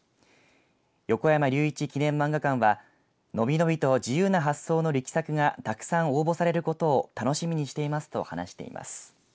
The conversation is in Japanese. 横山隆一記念まんが館はのびのびと自由な発想の力作がたくさん応募されることを楽しみにしていますと話しています。